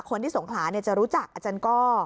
คนที่สงขลาจะรู้จักอาจารย์ก้อ